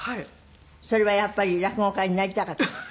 それはやっぱり落語家になりたかった？